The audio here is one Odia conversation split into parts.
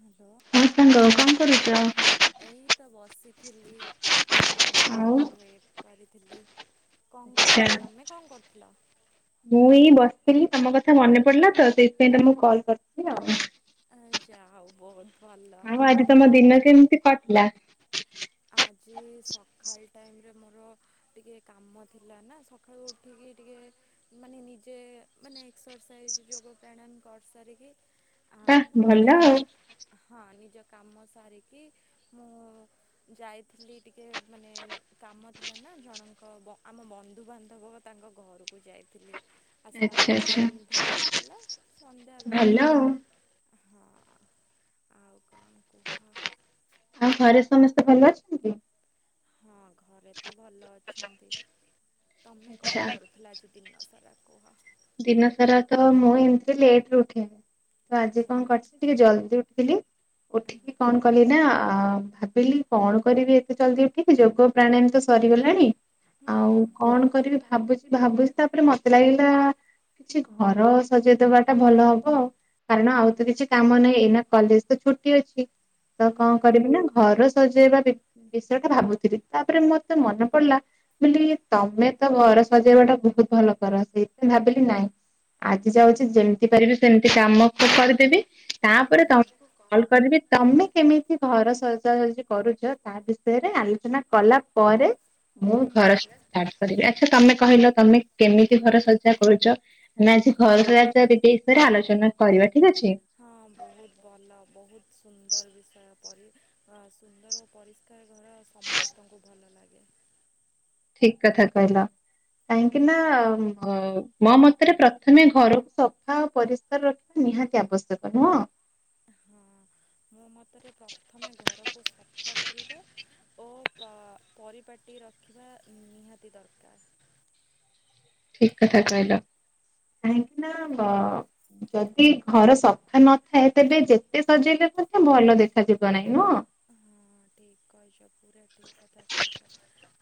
ହ୍ୟାଲୋ? ହଁ ସାଙ୍ଗ କଣ କରୁଚ? ଏଇ ତ ବସିଥିଲି, ତମ କଲ୍ ଆଉ କୁ ୱେଟ୍ କରିଥିଲି। କଣ ଆଚ୍ଛା। କରୁଚ, ତମେ କଣ କରୁଥିଲ? ମୁଁ ଏଇ ବସିଥିଲି ତମ କଥା ମନେ ପଡିଲା ତ ସେଥିପାଇଁ ତମକୁ କଲ୍ କରିଥିଲି ଆଉ। ଆ ଯାହଉ ବହୁତ୍ ଆଉ ଆଜି ତମ ଦିନ କେମିତି କଟଲା? ଆଜି ସଖାଳ ଟାଇମ ରେ ମୋର ଟିକେ କାମ ଥିଲା ନା ସଖାଳୁ ଉଠିକି ଟିକେ ମାନେ ନିଜେ ମାନେ ଏକ୍ସରସାଇଜ ଯୋଗ ପ୍ରାଣୟାମ କରି ସାରିକି ଆ ବାଃ ଭଲ ମାନେ ଆଉ। ନିଜ ହଁ ନିଜ କାମ ସାରିକି ମୁଁ ଯାଇଥିଲି ଟିକେ ମାନେ କାମ ଥିଲା ନା ଜଣଙ୍କ ବ ଆମ ବନ୍ଧୁବାନ୍ଧବ ତାଙ୍କ ଘରକୁ ଯାଇଥିଲି। ଆସିଲା ଆଚ୍ଛା ବେଳକୁ ଆଚ୍ଛା। ସନ୍ଧ୍ୟା ହେଇଗଲା। ସନ୍ଧ୍ୟା ବେଳେ ଭଲ ତ ଆଉ। ହଁ, ଆଉ କଣ କୁହ? [unintelligible] ଘରେ ସମସ୍ତେ ଭଲ ଅଛନ୍ତି? ହଁ ଘରେ ତ ଭଲ ଅଛନ୍ତି। ତମେ କଣ ଆଚ୍ଛା କରୁ ଥିଲ ଆଜି ଦିନ ସାରା କୁହ? ଦିନ ସାରା ତ ମୁଁ ଏମତି ଲେଟରେ ଉଠେ। ତ ଆଜି ଆଚ୍ଛା କଣ କରି ଟିକେ ଜଲ୍ଦି ଉଠିଥିଲି, ହଁ ଉଠି କଣ କଲି ନା ଆ ଭାବିଲି କଣ କରିବି ଏତେ ଜଲଦି ଉଠିକ, ଯୋଗ ପ୍ରାଣାୟାମ ତ ସରିଗଲାଣି ହୁଁ ହୁଁ ଆଉ ହୁଁ କଣ କରିବି ଭାବୁଚି ଭାବୁଚି ତାପରେ ମତେ ଲାଗିଲା କିଛି ଘର ସଜେଇ ଦବାଟା ଭଲ ହବ। କାରଣ ଆଉ ତ କିଛି କାମ ନାଇ ଏଇନା କଲେଜ ତ ଛୁଟି ଅଛି ତ ହୁଁ କଣ କରିବି ନା ଘର ସଜେଇବା ବି ବିଷୟ ଟା ଭାବୁଥିଲି, ତାପରେ ମତେ ମନେ ପଡିଲା, ବୋଲି ତମେ ତ ଘର ସଜେଇବା ଟା ବହୁତ ଭଲ କର ସେଇ ମୁ ଭାବିଲି ନାଇଁ ଆଜି ଯାଉଚି ଯେମିତି ପାରିବି ସେମିତି କାମ [unintelligible] କରିଦେବି, ହୁଁ ତାପରେ ହୁଁ ତମ [unintelligible] କରିବି ତମେ କେମିତି ଘର ସଜାସଜି କରୁଚ ତା ତା ବିଷୟରେ ଆଲୋଚନା କଲା ପରେ ମୁଁ ହୁଁ ଘର ଷ୍ଟା ର୍ଟ କରିବି, ଆଚ୍ଛା ତମେ କହିଲ ତମେ କେମିତି ଘର ସଜା କରୁଚ? ଆମେ ଆଜି ଘର ହଁ [unintelligible] ବିଷୟରେ ଆଲୋଚନା କରିବା ଠିକ ଅଛି। ହଁ ବହୁତ ଭଲ ବହୁତ ସୁନ୍ଦର ବିଷୟ ପରି [unintelligible] ସୁନ୍ଦର ଓ ପରି [unintelligible] ଘର ସମସ୍ତଙ୍କୁ ଭଲ ଲାଗେ। ଠିକ୍ କଥା କହିଲ। କାହିଁକି ନା ମୋ ଅ ମତରେ ପ୍ରଥମେ ଘରକୁ ସଫା ଓ ପରିଷ୍କାର ରଖି ନିହାତି ଆବଶ୍ୟକ, ନୁହଁ? ହଁ ଅଁ। ମୋ ମତରେ ପ୍ରଥମେ ଘରକୁ ସଫା କରିବା ଓ ପ ପରିପାଟି ରଖିବା ନିହାତି ଦରକାର୍। ଠିକ୍ କଥା କହିଲ, କାହିଁକି ନା ଗ ଯଦି ଘର ସଫା ନଥାଏ, ତେବେ ଯେତେ ସଜେଇଲେ ମଧ୍ୟ ଭଲ ଦେଖାଯିବ ନାଇଁ, ନୁହଁ? ହଁ ଠିକ୍ କଇଚ, ପୁରା ଠିକ୍ କଥା କଇଚ।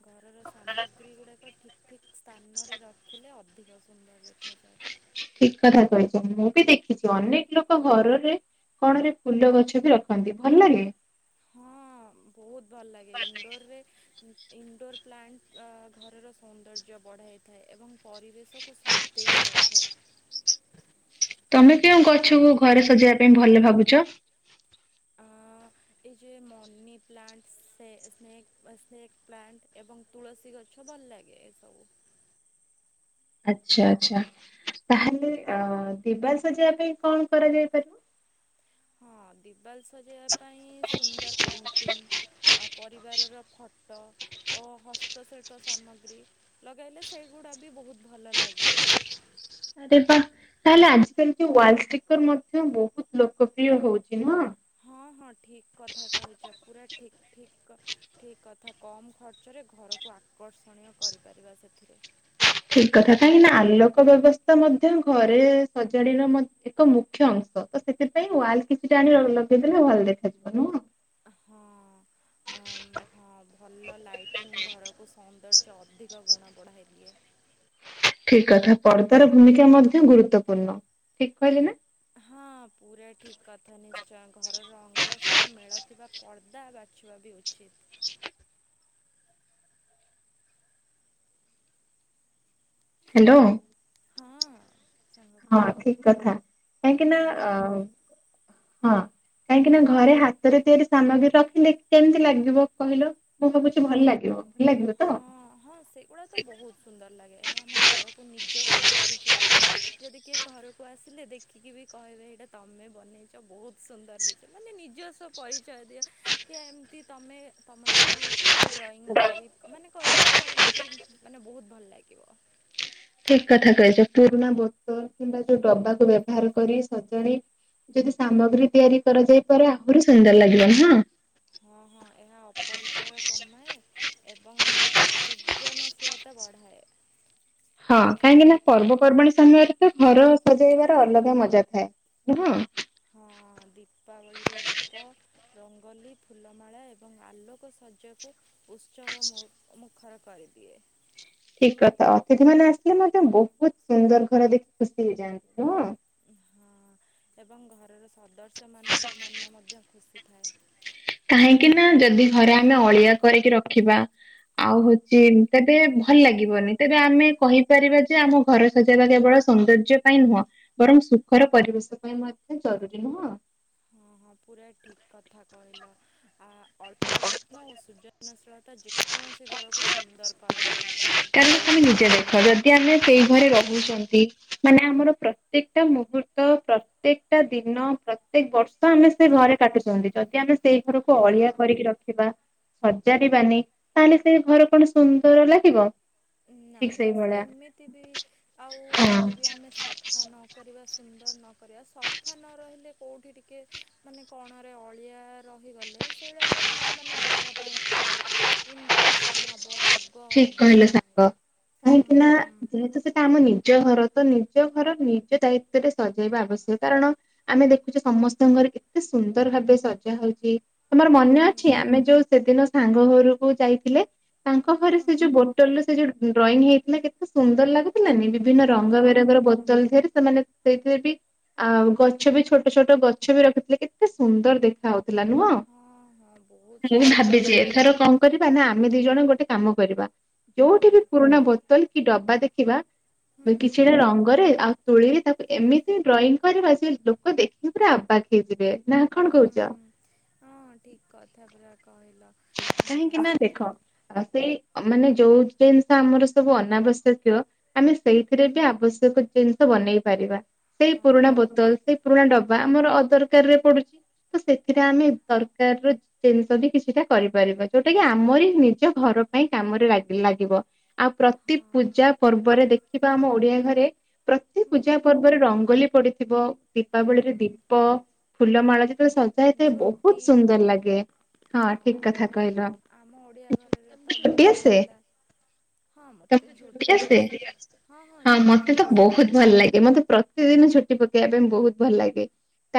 ଘରର ସାମଗ୍ରୀ ଗୁଡାକ ଠିକ୍ ଠିକ୍ ସ୍ଥାନରେ ରଖିଲେ ଅଧିକ ସୁନ୍ଦର ଦେଖାଯାଏ। ଠିକ୍ କଥା କହିଚ, ମୁଁ ବି ଦେଖିଚି, ଅନେକ ଲୋକ ଘରରେ କଣ ରେ ଫୁଲ ଗଛ ବି ରଖନ୍ତି, ଭଲ ଲାଗେ? ହଁ ବହୁତ ଭଲ ଲାଗେ, ଇଣ୍ଡୋର ରେ ଇ ଇନଣ୍ଡୋର୍ ପ୍ଲାଣ୍ଟ ଘରର ସୌନ୍ଦର୍ଯ୍ୟ ବଢ଼ାଇଥାଏ, ଏବଂ ପରିବେଶକୁ ସ ତେଜ୍ ରଖେ। ତମେ କେଉଁ ଗଛକୁ ଘରେ ସଜେଇବା ପାଇଁ ଭଲ ଭାବୁଚ? ଅଁ ଏ ଯେ ମନି ପ୍ଲାଣ୍ଟ, ସେ ସ୍ନେକ୍ ସେକ୍ ପ୍ଲାଣ୍ଟ ଏବଂ ତୁଳସୀ ଗଛ ଭଲ ଲାଗେ, ଏ ସବୁ। ଆଛା ଆଛା, ତାହେଲେ ଅ ଦିବାଲ୍ ସଜେଇବା ପାଇଁ କଣ କରାଯାଇ ପାରିବ? ହଁ ଦିିବାଲ୍ ସଜେଇବା ପାଇଁ ସୁନ୍ଦର ପେଣ୍ଟିଙ୍ଗ୍ ଆଉ ପରିବାରର ଫଟ ଓ ହସ୍ତଶିଳ୍ପ ସାମଗ୍ରୀ, ଲଗାଇଲେ ସେଇଗୁଡ଼ା ବି ବହୁତ ଭଲ ଲାଗିବ। ଆରେ ବାଃ। ତାହେଲେ ଆଜି କାଲି ୱାଲଷ୍ଟିକର ମଧ୍ୟ ବହୁତ ଲୋକପ୍ରିୟ ହଉଚି, ନୁହଁ? ହଁ ହଁ ଠିକ କଥା କହିଚ, ପୁରା ଠିକ୍ ଠିକ୍ କ ଠିକ୍ କଥା, କମ୍ ଖର୍ଚ୍ଚରେ ଘରକୁ ଆକର୍ଷଣୀୟ କରିପାରିବା ସେଥିରେ। ଠିକ୍ କଥା, କାହିଁକିନା ଆଲୋକ ବ୍ୟବସ୍ଥା ମଧ୍ୟ ଘରେ ସଜାଡିର ଏକ ମୁଖ୍ୟ ଅଂଶ। ସେଥିପାଇଁ ୱାଲ କିଛିଟା ଆଣି ଲଗେଇଦେଲେ ଭଲ ଦେଖାଯିବ, ନୁହଁ? ହଁ ଆ ହଁ ଭଲ ଲାଇଟିଂ ଘରକୁ ସୌନ୍ଦର୍ଯ୍ୟ ଅଧିକ ଗୁଣ ବଢ଼ାଇ ଦିଏ। ଠିକ୍ କଥା, ପର୍ଦାର ଭୂମିକା ମଧ୍ୟ ଗୁରୁତ୍ୱପୂର୍ଣ୍ଣ, ଠିକ କହିଲି ନା? ହଁ, ପୁରା ଠିକ୍ କଥା, ନିଶ୍ଚୟ ଘରର ରଙ୍ଗ ସହ ମେଳଥିବା ପର୍ଦା ବା ଛିବା ବି ଉଚିତ୍। ହାଲୋ। ହଁ ସାଙ୍ଗ ହଁ କୁହନ୍ତୁ। ଠିକ୍ କଥା, କାହିଁକି ନା ହୁଁ ହଁ। କାହିଁକି ନା ଘରେ ହାତରେ ତିଆରି ସାମଗ୍ରୀ ରଖିଲେ କେମିତି ଲାଗିବ କହିଲ? ମୁଁ ଭାବୁଛି ଭଲ ଲାଗିବ। ଭଲ ଲାଗିବ ତ? ହଁ, ହଁ, ସେଇଗୁଡା ତ ବହୁତ ସୁନ୍ଦର ଲାଗେ, ଏହା ଆମ ଘରକୁ ନିଜସ୍ୱ ପରିଚୟ ଦିଏ, ଯଦି କିଏ ଘରକୁ ଆସିଲେ ଦେଖ ଦେଖିକି ବି କହିବେ ଏଇଟା ତମେ ବନେଇଚ, ବହୁତ ସୁନ୍ଦର ହେଇଚି, ମାନେ ନିଜସ୍ଵ ପରିଚୟ ଦିଅ। କି ଏମିତି ତମେ, ତମର ବି ଡ୍ରଇଂ କରି ମାନେ କରିଚ, ଏମତି ମାନେ ବହୁତ ଭଲ ଲାଗିବ। ଠିକ୍ କଥା କହିଚ, ପୁରୁଣା ବୋତଲ୍ କିମ୍ବା ଯୋଉ ଡବାକୁ ବ୍ୟବହାର କରି, ସଜାଡି ଯଦି ସାମଗ୍ରୀ ତିଆରି କରାଯାଇ ପରେ ଆହୁରି ସୁନ୍ଦର ଲାଗିବ ନା ହଁ ହଁ ଏହା ଅପରିଚୟ କମାଏ ଏବଂ ସୃଜନଶୀଳତା ବଢାଏ ହଁ କାହିଁକି ନା ପର୍ବପର୍ବାଣୀ ସମୟରେ ତ ଘର ସଜେଇବାର ଅଲଗା ମଜା ଥାଏ କୁହ ହଁ ଦୀପାବଳିରେ ଦୀପ ରଙ୍ଗୋଲି ଫୁଲମାଳ ଏବଂ ଆଲୋକ ସର୍ଯ୍ୟାକୁ ଉତ୍ସବ ମୁ ମୁଖର କରିଦିଏ ଠିକ କଥା ଅତିଥି ମାନେ ଆସିଲେ ମଧ୍ୟ ବହୁତ ସୁନ୍ଦର ଘର ଦେଖି ଖୁସି ହେଇଯାଆନ୍ତି ନୁହଁ ହଁ ଏବଂ ଘରର ସଦସ୍ୟ ମାନଙ୍କ ମନ ମଧ୍ୟ ଖୁସି ଥାଏ କାହିଁକି ନା ଯଦି ଘରେ ଆମେ ଅଳିଆ କରିକି ରଖିବା ଆଉ ହଉଛି ତେବେ ଭଲ ଲାଗିବନି ତେବେ ଆମେ କହିପାରିବା ଯେ ଆମ ଘର ସଜେଇବା କେବଳ ସୌନ୍ଦର୍ଯ୍ୟ ପାଇଁ ନୁହଁ ବରଂ ସୁଖର ପରିବେଶ ପାଇଁ ମଧ୍ୟ ଜରୁରୀ ନୁହଁ ହଁ ହଁ ପୁରା ଠିକ କଥା କହିଲ ଆ ଅଳ୍ ଳ୍ପ ଯତ୍ନ ଓ ସୃଜନଶୀଳତା ଯେକୌଣସି ଘରକୁ ସୁନ୍ଦର କରାଯାଇପାରେ କାରଣ ତମେ ନିଜେ ଦେଖ ଯଦି ଆମେ ସେଇ ଘରେ ରହୁଛନ୍ତି ମାନେ ଆମର ପ୍ରତ୍ୟେକ ଟା ମୁହୂର୍ତ୍ତ ପ୍ର ପ୍ରତ୍ୟେକ ଟା ଦିନ ପ୍ରତ୍ୟେକ ବର୍ଷ ଆମେ ସେ ଘରେ କାଟୁଛନ୍ତି ଯଦି ଆମେ ସେଇ ଘରକୁ ଅଳିଆ ହଁ କରି ରଖିବା ସଜାରିବାନି ତାହେଲେ ସେ ଘର କଣ ସୁନ୍ଦର ଲାଗିବ ନା ଠିକ ନା ସେ ସେଇଭଳିଆ ଏମିତି ବି ଆଉ ହଁ ଯଦି ବି ଆମେ ସ ସଫା ନକରିବା ସୁନ୍ଦର ନ କରିବା ସଫା ନ ରହିଲେ କୋଉଁଠି ଟିକେ ମାନେ କଣରେ ଅଳିଆ ରହିଗଲେ ସେଇଟା ବି ଆମ ମାନେ ଦେହ ପାଇଁ ଖରାପ ଇନଫେକ୍ସନ ହବ ରୋଗ ହବ ବା ହୁଁ କାହିଁକି ନା ଯେହେତୁ ସେଟା ଆମ ନିଜ ଘର ବା ତ ନିଜ ଘର ନିଜ ଦାୟିତ୍ୱରେ ସଜେଇବା ଆବଶ୍ୟକ କାରଣ ଆମେ ଦେଖୁଛେ ସମସ୍ତଙ୍କ ଘରେ କେତେ ସୁନ୍ଦର ଭାବେ ସଜା ହଉଛି ତମର ହୁଁ ମନେ ହୁଁ ଅଛି ଆମେ ଯୋଉ ସେଦିନ ସାଙ୍ଗ ଘରକୁ ଯାଇଥିଲେ ତାଙ୍କ ହଁ ଘରେ ସେ ଯୋଉ ବୋଟଲରେ ସେ ଯୋଉ ଡ୍ରଇଂ ହେଇଥିଲା କେତେ ସୁନ୍ଦର ଲାଗୁଥିଲାନି ହଁ ବିଭିନ୍ନ ରଙ୍ଗ ହଁ ବରଙ୍ଗର ବୋ ଜଲଦିଆରେ ସେମାନେ ସେଇଥିରେ ବି ଆଉ ଗଛ ବି ଛୋଟ ଛୋଟ ଗଛ ବି ରଖିଥିଲେ କେତେ ସୁନ୍ଦର ଦେଖା ହଉ ଥିଲା ନୁହଁ ହଁ ହଁ ବହୁତ ମୁଁ ସୁନ୍ଦର ଭାବିଛି ଲାଗୁଥିଲା ଏଥରକ କରିବା ନା ଆମେ ଦି ଜଣ ଗୋଟେ କାମ କରିବା ହୁଁ ଯୋଉଠି ବି ପୁରୁଣା ବୋତଲ କି ଡବା ଦେଖିବା ହୁଁ ହୁଁ ହୁଁ କିଛିଟା ରଙ୍ଗରେ ଆଉ ତୂଳୀରେ ତାକୁ ଏମିତି ଡ୍ରଇଂ କରିବା ସେ ଲୋକ ଦେଖିକି ପୁରା ଆବାଗ୍ ହେଇଯିବେ ନା କଣ ହୁଁ କହୁଛ? ହୁଁ ହଁ ଠିକ କଥା ପୁରା କହିଲ ଆ କାହିଁକି ନା ଦେଖ ସେଥିରେ ଆଉ ସେ ମାନେ ଯୋଉ ଜିନିଷ ଆମର ସବୁ ଅନାବଶ୍ୟକୀୟ ଆମେ ସେଇଥିରେ ବି ଆବଶ୍ୟକ ଜିନିଷ ବନେଇ ପାରିବା ସେଇ ହଁ ପୁରୁଣା ବୋତଲ ସେଇ ପୁରୁଣା ଡବା ଆମର ଅଦରକାର ରେ ପଡୁଛି ତ ସେଥିରେ ଆମେ ଦରକାର ର ଜିନିଷ ବି କିଛିଟା କରିପାରିବା ଯୋଉଟା କି ଆମରି ନିଜ ଘର ପାଇଁ କାମରେ ଲା ଲାଗିବ ଆଉ ପ୍ରତି ହଁ। ପୂଜା ପର୍ବରେ ଦେଖିବା ଆମ ଓଡିଆ ଘରେ ପ୍ରତି ପୂଜା ହୁଁ ପର୍ବରେ ରଙ୍ଗୋଲି ପଡିଥିବ ଦୀପାବଳିରେ ହୁଁ ଦୀପ ଫୁଲ ମାଳ ଯେତେବେଳେ ସଜାହେଇଥାଏ ବହୁତ ଝୋଟି ସୁନ୍ଦର ଲାଗେ ହଁ। ଠିକ କଥା କହିଲ ଆମ ଓଡ଼ିଆ ଘରର ତ ମୁଖ୍ୟ ହେଲା [unintelligible] ହଁ ମୋତେ ଝୋଟି ଆସେ [unintelligible] ହଁ ମତେ ତ ବହୁତ ଭଲ ଲାଗେ ମତେ ପ୍ରତିଦିନ ଛୁଟି ପକେଇବା ପାଇଁ ବହୁତ ଭଲ ଲାଗେ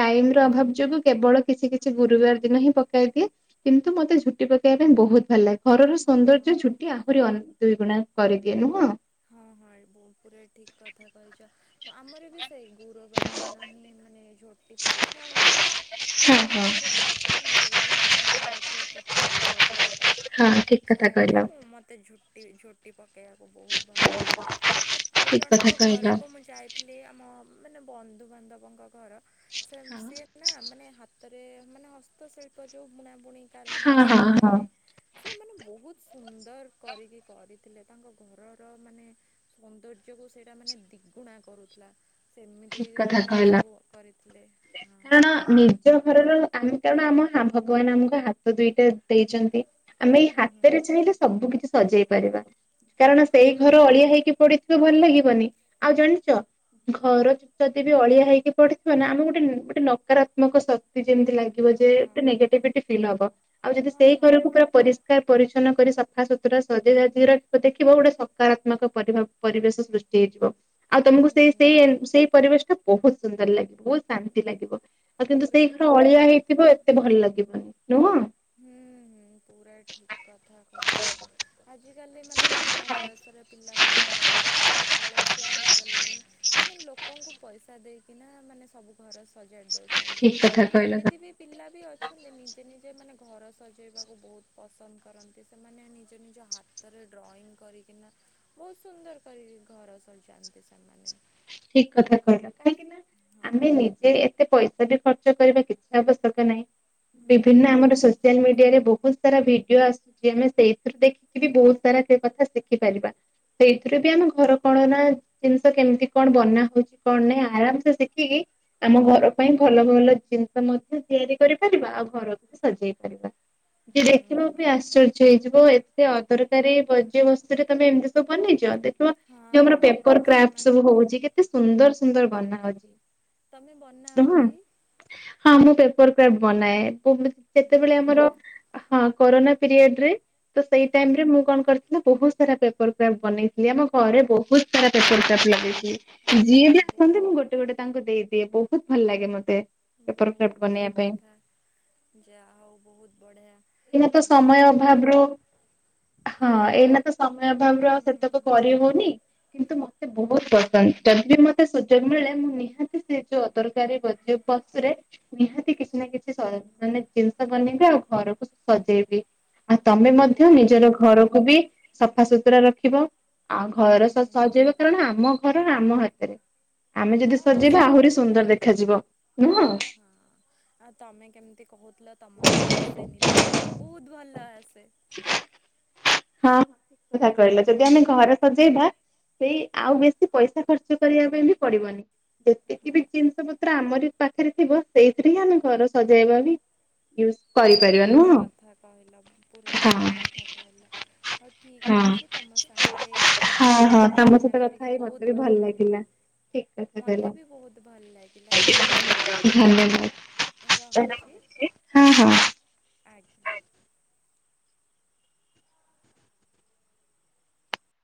ଟାଇମ ର ଅଭାବ ଯୋଗୁ କେବଳ କିଛି କିଛି ଗୁରୁବାର ଦିନ ହିଁ ପକାଇ ଦିଏ। କିନ୍ତୁ ମୋତେ ଝୋଟି ପକେଇବା ପାଇଁ ବହୁତ ଭଲ ଲାଗେ ଘରର ହଁ ସୌନ୍ଦର୍ଯ୍ୟ ଝୋଟି ଆହୁରି ଦୁଇଗୁଣା କରିଦିଏ ନୁହଁ। ହଁ [unintelligible] ଠିକ କଥା କହିଛ। ଆମର ବି ସେଇ ଗୁରୁବାର ଦିନ ହିଁ ମାନେ ଝୋ ଟି ପୁଛା ହୁଏ। ଆମ ହଁ ହଁ ଓଡିଆ ଘରେ ତ ଅଛି ନା ଗୁରୁବାର ମାନେ ଘରେ ପୁରା ପୋଛା ହବ ପୁରା। ହଁ ଠିକ କଥା ପୋଛା କହିଲ ହେଲେ ମୁଁ ମତେ [unintelligible] ଭଲ ଲାଗେ ଆଉ ଠିକ ଜଣଙ୍କ କଥା କହିଲ। ଘରକୁ ମୁଁ ଯାଇ ଥିଲେ ଆମ ମାନେ ବନ୍ଧୁବାନ୍ଧବଙ୍କ ଘର ହଁ [unintelligible] ନା ମାନେ ହାତରେ ମାନେ ହସ୍ତଶିଳ୍ପ ଯୋଉ ବୁଣା ବୁଣି କାମ ହଁ ହଁ ଶିଖିଛନ୍ତି। ସେମାନେ ବହୁତ ସୁନ୍ଦର କରିକି କରିଥିଲେ ତାଙ୍କ ଘ ଘ ର ମାନେ ସୌନ୍ଦର୍ଯ୍ୟ କୁ ସେଇଟା ମାନେ ଦ୍ୱିଗୁଣା କରୁଥିଲା। ସେମିତି ଠିକ କଥା ମାନେ କହିଲ। ସବୁ କରିଥିଲେ ହଁ। କାରଣ [unintelligible] ଆମ ହାତ ଦୁଇଟା ଦେଇଛନ୍ତି ଆମେ ଏଇ ହୁଁ ହୁଁ ହାତରେ ହୁଁ। ଚାହିଁଲେ ସବୁ କିଛି ସଜେଇ ପାରିବା। କାରଣ ସେଇ ହଁ ଘର ଅଳିଆ ହେଇକି ପଡିଥିବ ଭଲ ଲାଗିବନି, ଆଉ ଜାଣିଛ ଘର ଯଦି ବି ଅଳିଆ ହେଇକି ପଢିଥିବ ନା ଆମେ ଗୋଟେ ଗୋଟେ ନକାରାତ୍ମକ ଶକ୍ତି ଯେମିତି ଲାଗେ। ହଁ [unintelligible] ଫିଲ୍ ହବ ଆଉ ଯଦି ହଁ ସେଇ ଘରକୁ ପ ହଁ [unintelligible] ସଫାସୁତୁରା ସଜେଇ ଦେଖିବ ଗୋଟେ ସକାରାତ୍ମକ ପରିଭାବ। ପରିବେଶ ସୃଷ୍ଟି ହେଇଯିବ। ଆଉ ତମକୁ ହୁଁ। ସେଇ ସେଇ ସେଇ ପରିବେଶ ଟା ବହୁତ ସୁନ୍ଦର ଲାଗିବ ବହୁତ ଶାନ୍ତି ଲାଗିବ ଆଉ କିନ୍ତୁ ପୁରା ସେଇ ଘର ଠିକ୍ ଅଳିଆ କଥା ହେଇଥିବ କହିଛ। ଏତେ ଭଲ ଲାଗିବନି ନୁହଁ। ହୁଁ ହୁଁ ପୁରା ଠିକ କଥା କହିଛ। ଆଜିକାଲି ମାନେ ଆମ ବୟସର ପିଲାମାନେ ସବୁ ଅଳସୁଆ ହେଇଗଲେଣି, ମାନେ ଲୋକ ଲୋକଙ୍କୁ ପଇସା ଦେଇକିନା ମାନେ ସବୁ ଘର ସଜାଡ଼ି ଦେଉଛନ୍ତି। ଠିକ କଥା ମାନେ କହିଲ ଏମିତି ବି ପିଲା ବି ଅଛନ୍ତି ନିଜେ ନିଜେ ଯେମାନେ ଘର ସଜେଇବାକୁ ବହୁତ ପସନ୍ଦ କରନ୍ତି, ସେମାନେ ନିଜ ନିଜ ହାତରେ ଡ୍ରଇଂ କରିକିନା ବହୁତ ସୁନ୍ଦର କରିକି ଘର ସଜାନ୍ତି ସେମାନେ। ଠିକ କଥା କହିଲ କାହିଁକି ନା ଆମେ ହଁ। ନିଜେ ଏତେ ପଇସା ବି ଖର୍ଚ୍ଚ କରିବା କିଛି ଆବଶ୍ୟକ ନାହିଁ ହୁଁ ବିଭିନ୍ନ ଆମର ସୋସିଆଲ ମିଡିଆରେ ବହୁତ ସାରା ଭିଡିଓ ଆସୁଛି। ଆମେ ସେଇଥିରୁ ଦେଖିକି ବି ବହୁତ ସାରା ସେ କଥା ଶିଖିପାରିବା। ସେଇଥିରେ ବି ଆମ ଘର [unintelligible] ନା ଜିନିଷ କେମିତି? କଣ ବନା ହଉଛି କଣ ନାଇଁ ଆରାମସେ ଶିଖିକି ଆମ ଘର ପାଇଁ ଭଲ ଭଲ ଜିନିଷ ମଧ୍ୟ ତିଆରି କରିପାରିବା ଆଉ ଘରକୁ ବି ସଜେଇ ପାରିବା। ହୁଁ ଦେଖିବାକୁ ବି ଆଶ୍ଚର୍ଯ୍ୟ ହେଇଯିବ ଏତେ ଅଦରକାରୀ ବଜ୍ୟ ବସ୍ତୁରେ ତମେ ଏମିତି ସବୁ ବନେଇଛ। [unintelligible] ଆମର ହଁ ପେପର କ୍ରା୍ ସେମାନେ ସବୁ ହଉଛି। କେତେ ସୁନ୍ଦର ସୁନ୍ଦର ହଁ ବନା ହୋଉଛି ତମେ ବନାଅ ନୁହଁ। କି? ହଁ ମୁଁ ପେପର କ୍ରା ବନାଏ ଯେତେବେଳେ ବହୁତ ଆମର ବଢ଼ିଆ ହଁ କୋରୋନା ପିରିୟଡ ରେ ତ ସେଇ ଆଚ୍ଛା ଟାଇମ ରେ ମୁଁ କଣ କରି ମୁଁ ବହୁତ ସାରା ପେପର କ୍ରାଫ୍ଟ ବନେଇଥିଲି। ଆମ ଘରେ ବହୁତ ସାରା ପେପର କ୍ରାଫ୍ ଲଗେଇଛି। ଯିଏ ଆଚ୍ଛା ବି ଆସନ୍ତି ମୁଁ ବହୁତ ଗୋଟେ ଗୋଟେ ତାଙ୍କୁ ଦେଇଦିଏ ବହୁତ ଭଲ ଲାଗେ ମତେ। ପେପର କ୍ରାଫ୍ଟ ବହୁତ ଭଲ ବନେଇବା ପାଇଁ କଥା ଯାହା ହଉ ବହୁତ ବଢିଆ। ଏଇନା ତ ସମୟ ଅଭାବରୁ ହଁ ଏଇନା ତ ସମୟ ଅଭାବରୁ ଆଉ ହୁଁ ସେତକ କରିହଉନି। କିନ୍ତୁ ମୋତେ ବହୁତ ପସନ୍ଦ ଯଦି ବି ମୋତେ ସୁଯୋଗ ମିଳେ ମୁଁ ନିହାତି ସେ ଯେଉଁ ଅଦରକାରୀ ବଜ୍ୟ ବସ ରେ ନିହାତି କିଛି ନା କିଛି ମାନେ ଜିନିଷ ବନେଇବେ ଆଉ ଘରକୁ ସଜେଇବି ଆଉ ତମେ ହୁଁ ମଧ୍ୟ ବହୁତ ନିଜର ଭଲ ଗୁଣ ଘରକୁ ବି ସଫା ସୁତୁରା ରଖିବ। ଆଉ ଘର ହୁଁ ସଜେଇବା କାରଣ ଆମ ଘର ଆମ ହାତରେ। ଆମେ ଯଦି ହଁ ସଜେଇବା ଆହୁରି ସେଇଟା ସୁନ୍ଦର ଦେଖାଯିବ ନୁହଁ। ହଁ। ଆଉ ତମେ କେମିତି କହୁଥିଲ ତମକୁ ଆସେନି। ତୁମକୁ ତ ବହୁତ ଭଲ ଆସେ। ଶ [unintelligible] ହଁ ହ ଠିକ କଥା କହିଲ ଯଦି ଆମେ ଘରେ ସଜେଇବା। ସେଇ ଆଉ ବେଶୀ ପଇସା ଖର୍ଚ୍ଚ କରିବା ପାଇଁ ବି ପଡିବନି। ଯେତିକି ହଁ ବି ଜିନିଷ ପତ୍ର ଆମର ପାଖରେ ଥିବ ସେଇଥିରେ ହିଁ ଆମେ ଘର ସଜେଇବା ବି ୟୁଜ କରିବା। ଠିକ କଥା କହିଲା ପୁରା ହଁ ଠିକ କଥା କହିଲା। ହଉ ଠିକ୍ ହଁ ଅଛି ତମ ସାଙ୍ଗରେ ଏହି ହଁ ବିଷୟରେ ହଁ ତମ ଆଲୋଚନା ସହିତ କଥା କରିକି ହେଇ ମତେ ବହୁତ ବି ଭଲ ଲାଗିଲା। ଠିକ କଥା ମତେ କହିଲ ବି ବହୁତ ଭଲ ଲାଗିଲା ଧନ୍ୟବାଦ। ରହୁଛି ହଁ ହଁ। ଆଜ୍ଞା। [unintelligible]